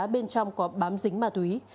bên trong có bám dính ma túy